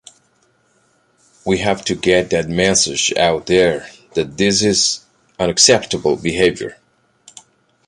We have to get that message out there that this is unacceptable behaviour.